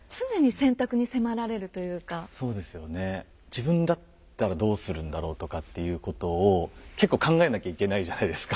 「自分だったらどうするんだろう」とかっていうことを結構考えなきゃいけないじゃないですか。